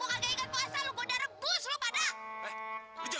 sakitin perempuan lo makan ibu lo eh buah perempuan